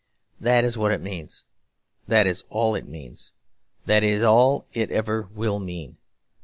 That is what it means; that is all it means; that is all it ever will mean.